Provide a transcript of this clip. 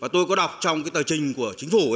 tôi có đọc trong tờ trình của chính phủ